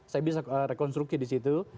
saya bisa rekonstruksi di situ